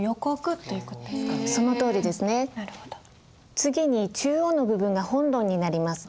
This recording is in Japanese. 次に中央の部分が「本論」になります。